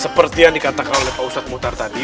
seperti yang dikatakan oleh pak ustadz muhtar tadi